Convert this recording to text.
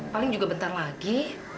mungkin akan berhasil lagi